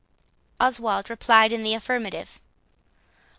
Oswald replied in the affirmative.